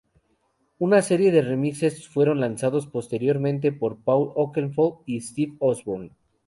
Una serie de remixes fueron lanzados posteriormente por Paul Oakenfold y Steve Osborne.